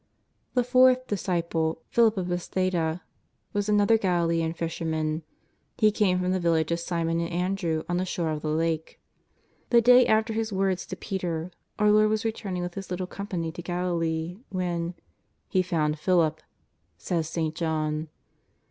The fourth disciple, Philip of Bethsaida, was another Gali lean fisherman. He came from the village of Simon and Andrew on the shore of the Lake. The day after His words to Peter our Lord was re turning with His little company to Galilee when " He found Philip," says St. John.